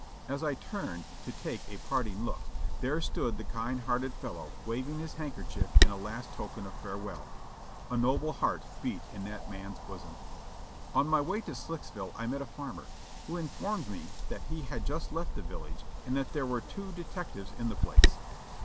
As I turned to take a parting look, there stood the kind hearted fellow waving his handkerchief in a last token of farewell. A noble heart beat in that man's bosom. On my way to Slicksville I met a farmer, who informed me that he had just left the village and that there were two detectives in the place.